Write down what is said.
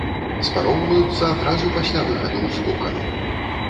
Спароўваюцца адразу пасля выхаду з коканаў.